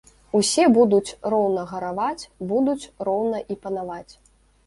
Усе будуць роўна гараваць, будуць роўна і панаваць.